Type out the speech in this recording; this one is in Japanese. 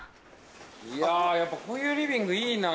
いやぁやっぱこういうリビングいいな。